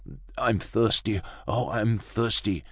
"I'm thirsty, oh! I'm thirsty!"